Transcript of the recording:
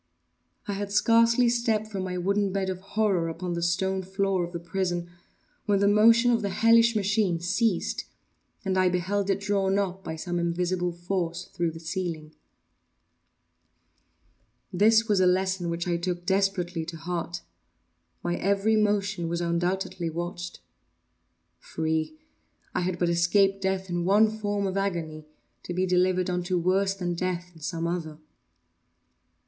I had scarcely stepped from my wooden bed of horror upon the stone floor of the prison, when the motion of the hellish machine ceased and I beheld it drawn up, by some invisible force, through the ceiling. This was a lesson which I took desperately to heart. My every motion was undoubtedly watched. Free!—I had but escaped death in one form of agony, to be delivered unto worse than death in some other.